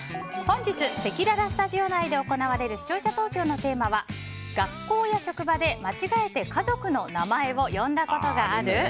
本日せきらら投票内で行われる視聴者投票内のテーマは学校や職場で間違えて家族の名前を呼んだことがある？